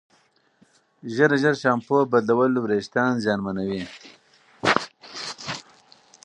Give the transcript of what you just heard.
ژر ژر شامپو بدلول وېښتې زیانمنوي.